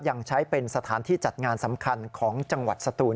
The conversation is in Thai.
ยังใช้เป็นสถานที่จัดงานสำคัญของจังหวัดสตูน